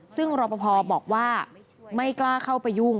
ซึ่งรอปภบอกว่าไม่กล้าเข้าไปยุ่ง